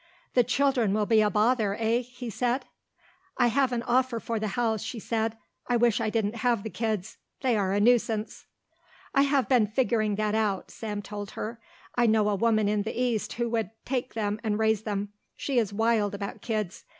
"The children will be a bother, eh?" he said. "I have an offer for the house," she said. "I wish I didn't have the kids. They are a nuisance." "I have been figuring that out," Sam told her. "I know a woman in the East who would take them and raise them. She is wild about kids.